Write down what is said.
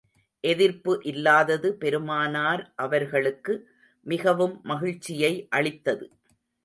எதிர்ப்பு இல்லாதது பெருமானார் அவர்களுக்கு மிகவும் மகிழ்ச்சியை அளித்தது.